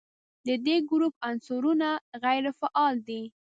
د دې ګروپ عنصرونه غیر فعال دي.